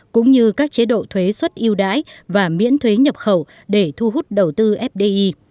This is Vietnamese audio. cũng như các chế độ thuế xuất yêu đái và miễn thuế nhập khẩu để thu hút đầu tư fdi